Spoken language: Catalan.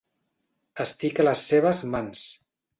Estic a les seves mans.